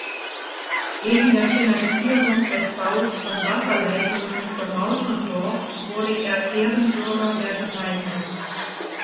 Wegen der Finanzierung des Baus von Wasserleitungen für Mauterndorf wurde er Ehrenbürger der Gemeinde.